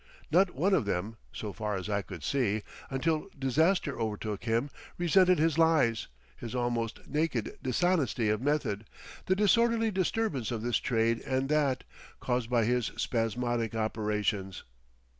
Not one of them, so far as I could see, until disaster overtook him, resented his lies, his almost naked dishonesty of method, the disorderly disturbance of this trade and that, caused by his spasmodic operations.